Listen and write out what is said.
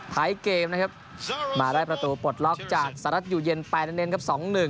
ท้ายเกมนะครับมาได้ประตูปลดล็อกจากสหรัฐอยู่เย็น๘เน้นครับ๒๑